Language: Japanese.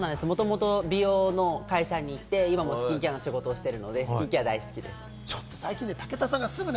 もともと美容の会社にいて、今もスキンケアの仕事をしているので、大好きです。